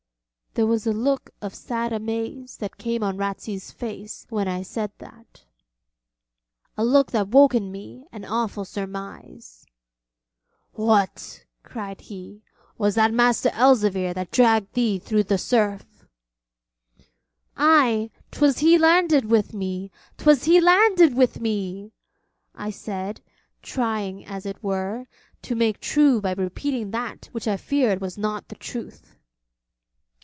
There was a look of sad amaze that came on Ratsey's face when I said that; a look that woke in me an awful surmise. 'What!' cried he, 'was that Master Elzevir that dragged thee through the surf?' 'Ay, 'twas he landed with me, 'twas he landed with me,' I said; trying, as it were, to make true by repeating that which I feared was not the truth.